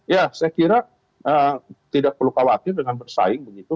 ya saya kira tidak perlu khawatir dengan bersaing begitu